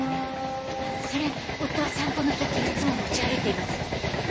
それ夫は散歩の時いつも持ち歩いています。